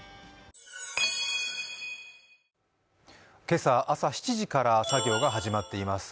今朝、朝７時から作業が始まっています。